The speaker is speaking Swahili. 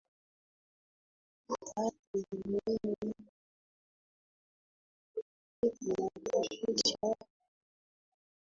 Mita themanini na name ndefu inafifisha wamiliki